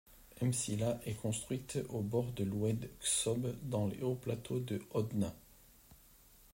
M'Sila est construite aux bords de l'oued Ksob, dans les hauts plateaux du Hodna.